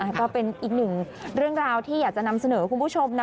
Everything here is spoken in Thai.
ก็เป็นอีกหนึ่งเรื่องราวที่อยากจะนำเสนอคุณผู้ชมนะ